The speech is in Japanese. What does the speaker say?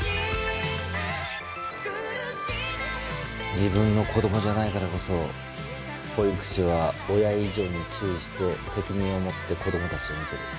自分の子供じゃないからこそ保育士は親以上に注意して責任を持って子供たちを見てる。